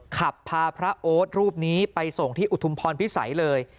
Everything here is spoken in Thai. ขับพาพระโอ๊ตรูปนี้ไปส่งที่อุทุมพรพิสัยเลย